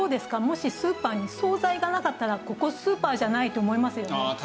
もしスーパーに惣菜がなかったらここスーパーじゃないって思いますよね。